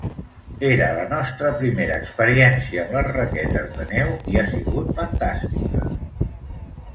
Era la nostra primera experiència amb les raquetes de neu i ha sigut fantàstica!